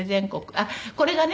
あっこれがね